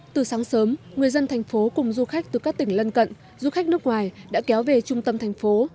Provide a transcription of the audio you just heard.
từ sáng sớm người dân thành phố cùng du khách từ các tỉnh lân cận du khách nước ngoài đã kéo về trung tâm thành phố